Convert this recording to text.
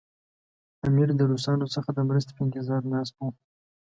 امیر د روسانو څخه د مرستې په انتظار ناست وو.